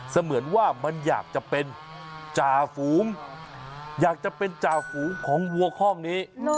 เหมือนว่ามันอยากจะเป็นจ่าฝูงอยากจะเป็นจ่าฝูงของวัวคล่องนี้